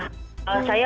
saya belum data banyak